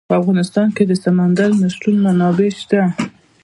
په افغانستان کې د سمندر نه شتون منابع شته.